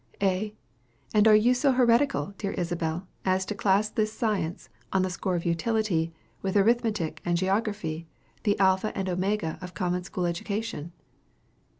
A. And are you so heretical, dear Isabel, as to class this science, on the score of utility, with Arithmetic and Geography the alpha and omega of common school education?